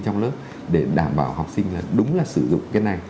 trong lớp để đảm bảo học sinh là đúng là sử dụng cái này